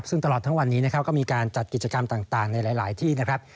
ซึ่งตลอดทั้งวันนี้นะครับก็มีการจัดกิจกรรมต่างในหลายที่นะครับ